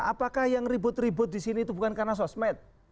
apakah yang ribut ribut di sini itu bukan karena sosmed